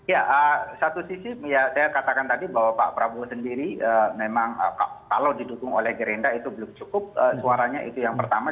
ya satu sisi ya saya katakan tadi bahwa pak prabowo sendiri memang kalau didukung oleh gerindra itu belum cukup suaranya itu yang pertama